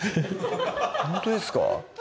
ほんとですか？